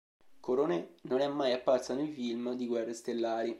Coronet non è mai apparsa nei film di "Guerre stellari".